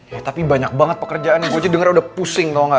ya tapi banyak banget pekerjaan nih gue aja denger udah pusing tau nggak